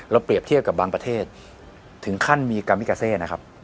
เปรียบเทียบกับบางประเทศถึงขั้นมีกามิกาเซนะครับ